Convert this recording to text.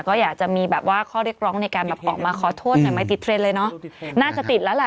ก็อยากจะมีแบบว่าข้อเรียกร้องในการแบบออกมาขอโทษหน่อยไม่ติดเทรนด์เลยเนอะน่าจะติดแล้วแหละ